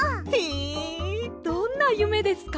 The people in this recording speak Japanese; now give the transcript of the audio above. どんなゆめですか？